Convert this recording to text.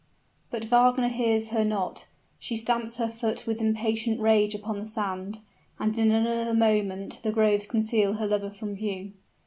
But Wagner hears her not: she stamps her foot with impatient rage upon the sand; and in another moment the groves conceal her lover from view.